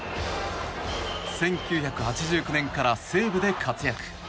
１９８９年から西武で活躍。